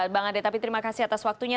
bang andre tapi terima kasih atas waktunya